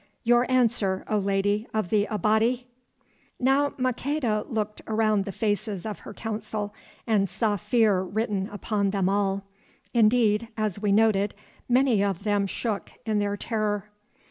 Your answer, O Lady of the Abati!'" Now Maqueda looked around the faces of her Council, and saw fear written upon them all. Indeed, as we noted, many of them shook in their terror.